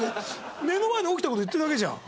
目の前で起きた事言ってるだけじゃん。